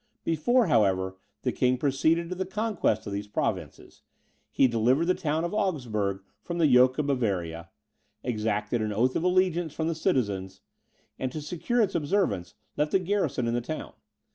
Before, however, the King proceeded to the conquest of these provinces, he delivered the town of Augsburg from the yoke of Bavaria; exacted an oath of allegiance from the citizens; and to secure its observance, left a garrison in the town.